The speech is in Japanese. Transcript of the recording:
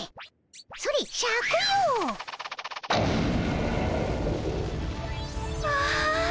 それシャクよ！わ！